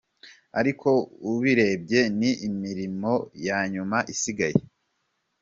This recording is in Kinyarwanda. Ariko ubirebye ni imirimo ya nyuma isigaye”.